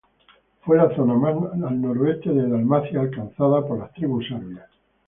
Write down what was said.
Fue la zona más al noroeste de Dalmacia alcanzada por las tribus serbias.